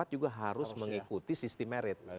juga harus mengikuti sistem merit